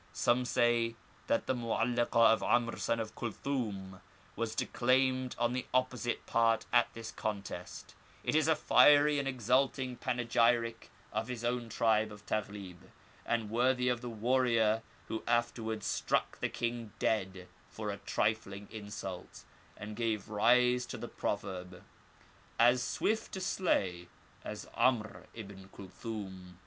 Some say that the Mo'allakah of 'Amr, son of Kulthum, was declaimed on the opposite part at this contest : it is a fiery and exulting panegyric on his own tribe of Taghlib, and worthy of the warrior who afterwards struck the king dead for a trifling insult, and gave rise to the proverb, ^As swift to slay as *Amr ibn Kulthum.'